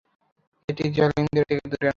এটি জালিমদের থেকে দূরে নয়।